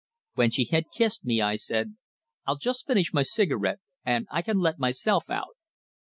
When she had kissed me I said: "I'll just finish my cigarette, and I can let myself out."